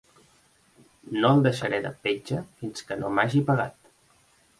No el deixaré de petja fins que no m'hagi pagat.